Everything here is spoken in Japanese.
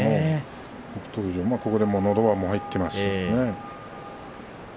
北勝富士、のど輪も入っていますしね。